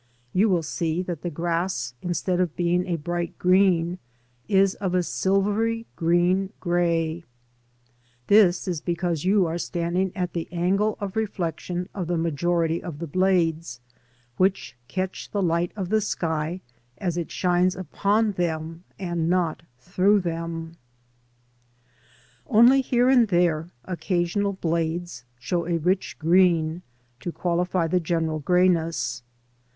You will see that the grass instead of being a bright green is of a silvery green grey; this is because you are standing at the angle of reflection of the majority of the blades, whith catch the light of the sky as it shines upon them, and not through them. Only here and there occasional blades show a rich green to qualify the general greyness.